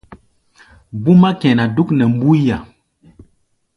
Búmá kɛná dúk nɛ mbúía.